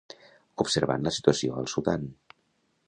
Observant la situació al Sudan.